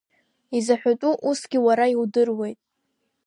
Изаҳәатәу усгьы уара иудыруеит.